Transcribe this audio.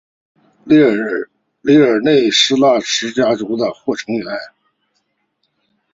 科尔内利乌斯家族的成员。